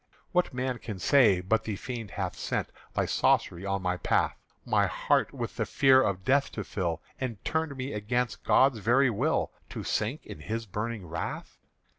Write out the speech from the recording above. "What man can say but the Fiend hath set Thy sorcery on my path, My heart with the fear of death to fill, And turn me against God's very will To sink in His burning wrath?"